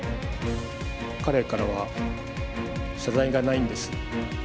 彼からは謝罪がないんです。